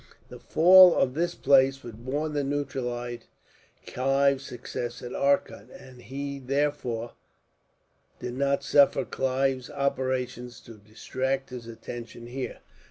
The fall of that place would more than neutralize Clive's successes at Arcot; and he, therefore, did not suffer Clive's operations to distract his attention here.